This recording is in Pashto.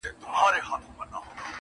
نیکه کیسه کوله؛!